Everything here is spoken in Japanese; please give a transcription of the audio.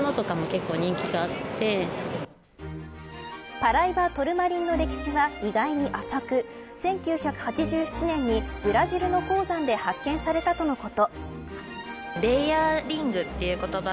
パライバトルマリンの歴史は意外に浅く１９８７年にブラジルの鉱山で発見されたとのこと。